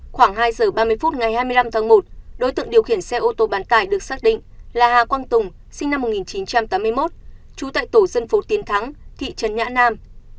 khoảng hai giờ ba mươi phút ngày hai mươi năm tháng một đối tượng điều khiển xe ô tô bán tải được xác định là hà quang tùng sinh năm một nghìn chín trăm tám mươi một trú tại tổ dân phố tiến thắng thị trấn nhã nam